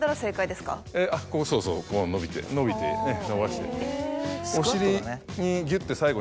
そうそうここが伸びて伸びて伸ばして。